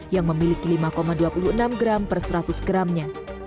yang memiliki lima dua puluh enam gram per seratus gramnya